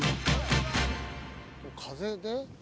風で。